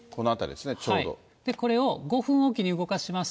これを５分置きに動かします